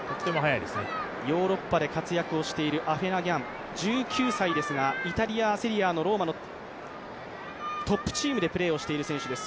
ヨーロッパで活躍しているアフェナ・ギャン１９歳ですがイタリア・セリエＡのローマのトップチームでプレーしている選手です。